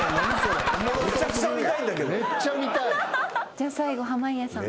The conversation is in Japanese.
じゃあ最後濱家さん。